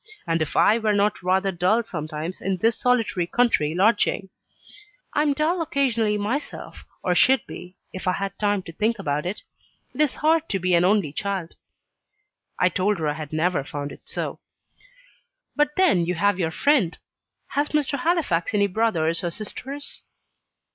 and if I were not rather dull sometimes, in this solitary country lodging? "I am dull occasionally myself, or should be, if I had time to think about it. It is hard to be an only child." I told her I had never found it so. "But then you have your friend. Has Mr. Halifax any brothers or sisters?"